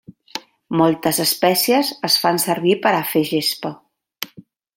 Moltes espècies es fan servir per a fer gespa.